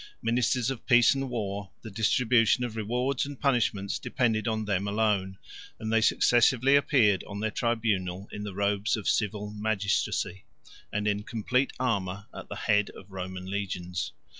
Ministers of peace and war, the distribution of rewards and punishments depended on them alone, and they successively appeared on their tribunal in the robes of civil magistracy, and in complete armor at the head of the Roman legions.